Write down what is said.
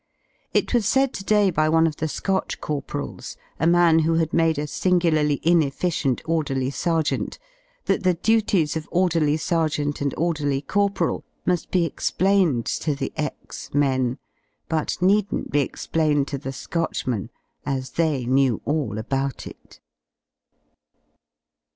It was said to day by one of the Scotch corporals, a man who had made a singularly inefficient Orderly Sergeant, that the duties of Orderly Sergeant and Orderly Corporal mu^ be explained to the X men, but needn't be explained to the Scotchmen, as they knew all about it.